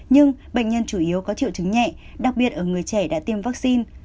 nhưng bệnh nhân chủ yếu có triệu chứng nhẹ đặc biệt ở người trẻ đã tiêm vaccine